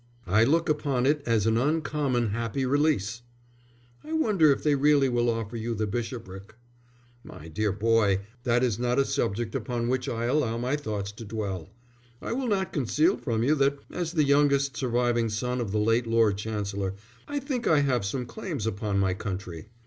"I look upon it as an uncommon happy release." "I wonder if they really will offer you the bishopric?" "My dear boy, that is not a subject upon which I allow my thoughts to dwell. I will not conceal from you that, as the youngest surviving son of the late Lord Chancellor, I think I have some claims upon my country.